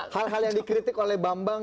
hal hal yang dikritik oleh bambang